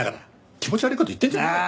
気持ち悪い事言ってんじゃねえよ。